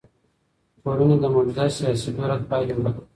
ټولني د موجوده سياسي قدرت پايلې وليدلې.